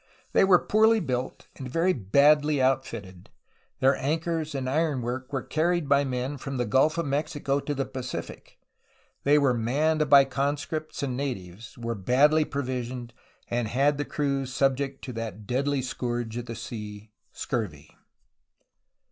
''They were poorly built and very badly outfitted. Their anchors and ironwork were carried by men from the Gulf of Mexico to the Pacific ; they were manned by conscripts and natives; were badly provisioned, and the crews subject to that deadly scourge of the sea, scurvy."